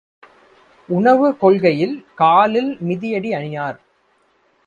உணவு கொள்கையில் காலில் மிதியடி அணியார்.